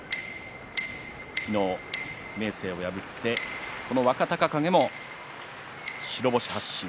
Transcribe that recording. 昨日、明生を破ってこの若隆景も白星発進。